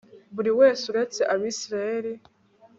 buri wese, uretse abisirayeli